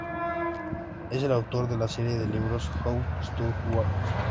Es el autor de la serie de libros How Stuff Works.